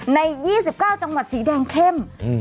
ใน๒๙จังหวัดสีแดงเข้ม